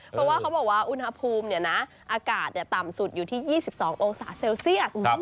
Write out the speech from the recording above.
เพราะว่าเขาบอกว่าอุณหภูมิอากาศต่ำสุดอยู่ที่๒๒องศาเซลเซียส